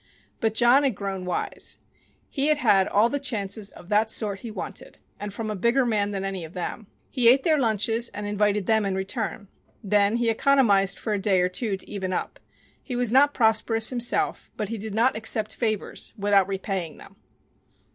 But John had grown "wise." He had had all the chances of that sort he wanted, and from a bigger man than any of them. He ate their lunches and invited them in return. Then he economized for a day or two to even up. He was not prosperous himself, but he did not accept favors without repaying them.